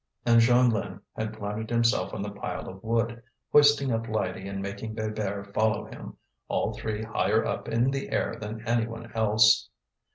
And Jeanlin had planted himself on the pile of wood, hoisting up Lydie and making Bébert follow him, all three higher up in the air than any one else.